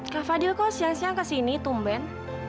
kak fadil kok siang siang kesini tumben